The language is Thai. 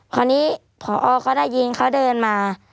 พอนี้ผอเขาได้ยินเขาเดินมา